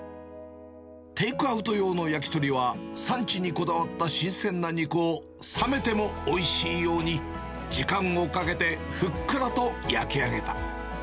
テイクアウト用の焼き鳥は、産地にこだわった新鮮な肉を冷めてもおいしいように、時間をかけて、ふっくらと焼き上げた。